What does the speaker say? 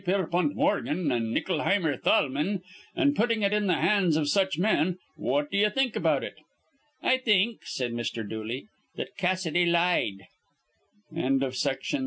Pierpont Morgan and Ickleheimer Thalmann, and putting it in the hands of such men. What do you think about it?" "I think," said Mr. Dooley, "that Cassidy lied." ON A FAMILY REUNION.